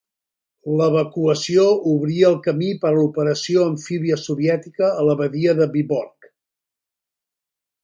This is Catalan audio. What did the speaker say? L'evacuació obrí el camí per a l'operació amfíbia soviètica a la badia de Viborg.